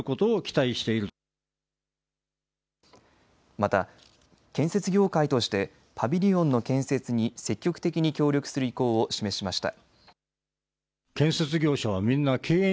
また建設業界としてパビリオンの建設に積極的に協力する意向を示しました。